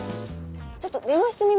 ちょっと電話してみます。